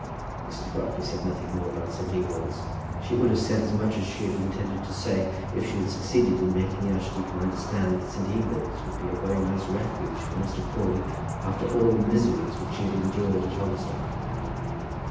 Mrs. Grantly said nothing more about St. Ewold's. She would have said as much as she had intended to say if she had succeeded in making the archdeacon understand that St. Ewold's would be a very nice refuge for Mr. Crawley after all the miseries which he had endured at Hogglestock.